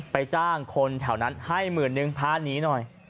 จ้างคนแถวนั้นให้หมื่นนึงพาหนีหน่อย